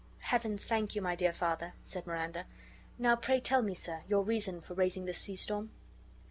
"Heaven thank you, my dear father," said Miranda. "Now pray tell me, sir, your reason for raising this sea storm?"